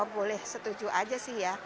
boleh setuju aja sih ya